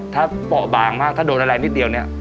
ถ้าเบาะบางมากถ้าโดนอะไรนิดเดียวเนี่ย